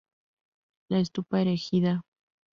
La estupa erigida sobre sus reliquias era de una legua de alto.